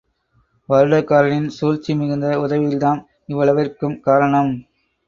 வருடகாரனின் சூழ்ச்சி மிகுந்த உதவிகள்தாம் இவ்வளவிற்கும் காரணம்.